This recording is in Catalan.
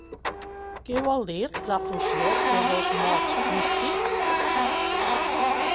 Què vol dir la fusió de dos mots místics?